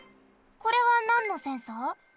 これはなんのセンサー？